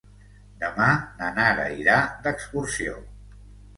Demà na Nara irà d'excursió.